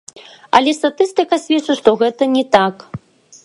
Але статыстыка сведчыць, што гэта не так.